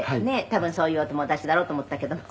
「多分そういうお友達だろうと思ったけども」